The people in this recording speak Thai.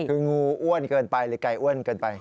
คืองูอ้วนเกินไปหรือไก่อ้วนเกินไป